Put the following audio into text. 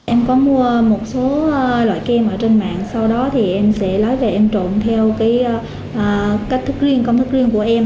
em có mua một số loại kem ở trên mạng sau đó thì em sẽ lấy về em trộn theo cách thức riêng công thức riêng